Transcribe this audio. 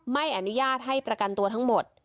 ไม่อนุญาตให้ประกันตัวทั้งหมด